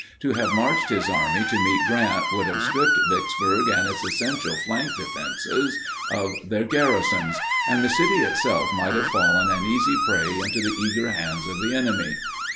To have marched his army to meet Grant "would have stripped Vicksburg and its essential flank defenses of their garrisons, and the city itself might have fallen an easy prey into the eager hands of the enemy."